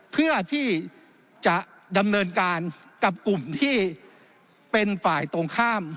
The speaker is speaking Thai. เพื่อที่จะดำเนินการกับกลุ่มที่เป็นฝ่ายตรงข้าม